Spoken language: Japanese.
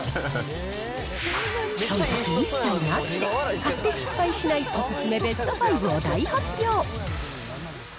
そんたく一切なし、買って失敗しないお勧めベスト５を大発表。